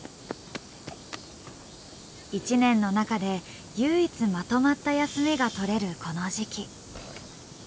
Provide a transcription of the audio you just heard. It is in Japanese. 一年の中で唯一まとまった休みがとれるこの時期。